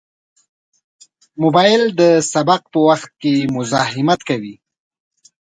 موبایل د سبق په وخت کې مزاحمت کوي.